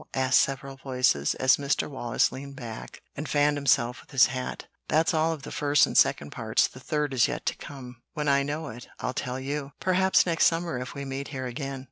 asked several voices, as Mr. Wallace leaned back and fanned himself with his hat. "That's all of the first and second parts; the third is yet to come. When I know it, I'll tell you; perhaps next summer, if we meet here again."